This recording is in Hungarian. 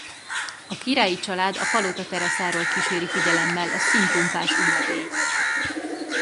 A királyi család a palota teraszáról kíséri figyelemmel a színpompás ünnepélyt.